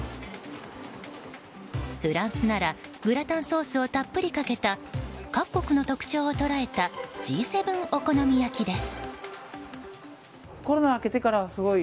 フランスならグラタンソースをたっぷりかけた各国の特徴を捉えたＧ７お好み焼きです。